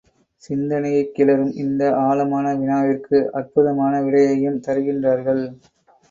சிந்தனையைக் கிளறும் இந்த ஆழமான வினாவிற்கு அற்புதமான விடையையும் தருகின்றார்கள்.